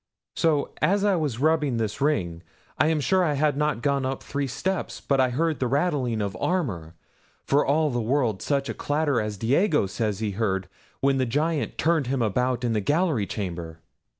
So as I was rubbing the ring—I am sure I had not gone up three steps, but I heard the rattling of armour; for all the world such a clatter as Diego says he heard when the Giant turned him about in the gallery chamber."